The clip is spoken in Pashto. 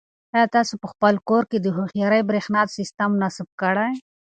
آیا تاسو په خپل کور کې د هوښیارې برېښنا سیسټم نصب کړی؟